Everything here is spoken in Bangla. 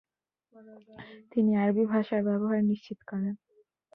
তিনি আরবী ভাষার ব্যবহার নিশ্চিত করেন।